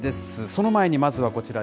その前に、まずはこちら。